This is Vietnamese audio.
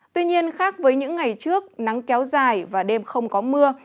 tuy nhiên khác với những ngày trước nắng kéo dài và đêm không có mưa